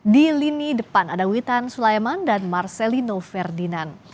di lini depan ada witan sulaiman dan marcelino ferdinand